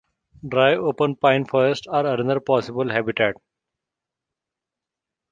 Dry open pine forests are another possible habitat.